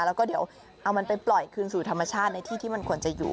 แล้วก็เดี๋ยวเอามันไปปล่อยคืนสู่ธรรมชาติในที่ที่มันควรจะอยู่